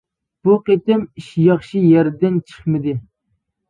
بۇ قېتىم ئىش ياخشى يەردىن چىقمىدى.